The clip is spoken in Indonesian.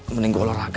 mending gue olah raga